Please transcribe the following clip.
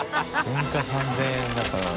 原価３０００円だから。